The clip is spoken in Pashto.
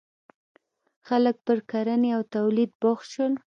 • خلک پر کرنې او تولید بوخت شول.